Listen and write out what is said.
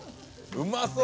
うまそう！